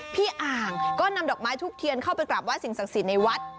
อ่างก็นำดอกไม้ทุบเทียนเข้าไปกราบไห้สิ่งศักดิ์สิทธิ์ในวัด